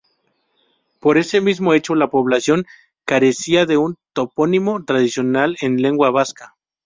Por ese mismo hecho la población carecía de un topónimo tradicional en lengua vasca.